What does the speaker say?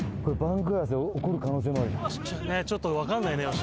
ちょっと分かんないね嘉人。